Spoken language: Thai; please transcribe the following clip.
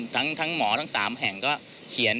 ทั้งหมอทั้ง๓แห่งก็เขียน